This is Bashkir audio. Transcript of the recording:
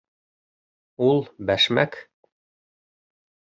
Ул бәшмәк.